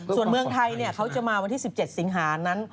ส่วนเมืองไทยเขาจะมาวันที่๑๗สิงหานั้น